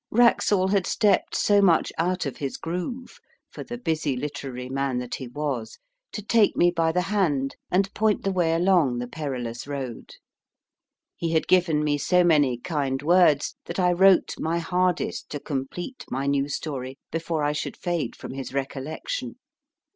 Wraxall had stepped so much out of his groove for the busy literary man that he was to take me by the hand, and point the way along the perilous road ; he had given me so many kind words, that I wrote my hardest to complete my new story before I should fade from his recollection.